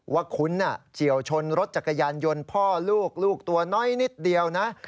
คุ้นเฉียวชนรถจักรยานยนต์พ่อลูกลูกตัวน้อยนิดเดียวนะ